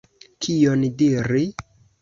Kion diri?